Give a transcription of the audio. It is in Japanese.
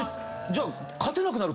じゃあ。